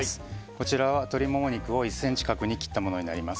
こちらは鶏モモ肉を１ｃｍ角に切ったものになります。